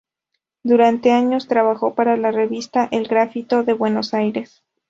Durante años, trabajó para la revista "El Gráfico", de Buenos Aires.